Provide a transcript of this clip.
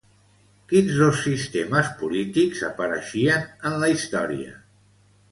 Quins dos sistemes polítics apareixien en la història?